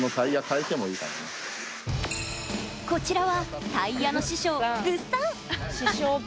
こちらは、タイヤの師匠グッさん。